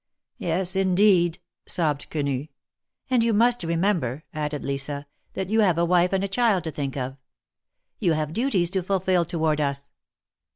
^'Yes, indeed," sobbed Quenu. '^And you must remember," added Lisa, ^Qhat you have a wife and a cliild to think of. You have duties tq fulfil toward us."